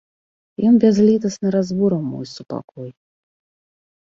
Ён бязлітасна разбурыў мой супакой.